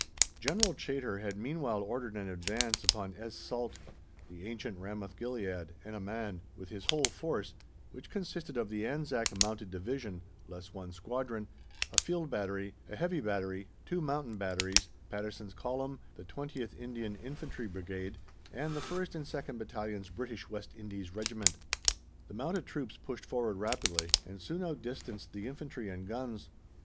General Chaytor had meanwhile ordered an advance upon Es Salt (the ancient Ramoth Gilead) and Amman, with his whole force, which consisted of the Anzac Mounted Division (less one squadron), a field battery, a heavy battery, two mountain batteries, Patterson's Column, the 20th Indian Infantry Brigade, and the 1st and 2nd Battalions British West Indies Regiment. The mounted troops pushed forward rapidly, and soon out distanced the infantry and guns.